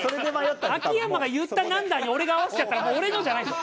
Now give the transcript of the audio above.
秋山が言った「なんだ」に俺が合わせちゃったらもう俺のじゃないんです。